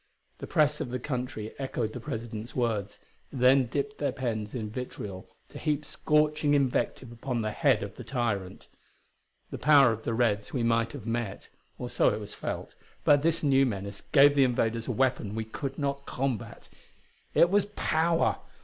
The press of the country echoed the President's words, then dipped their pens in vitriol to heap scorching invective upon the head of the tyrant. The power of the Reds we might have met or so it was felt but this new menace gave the invaders a weapon we could not combat. It was power!